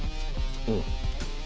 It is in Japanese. うん。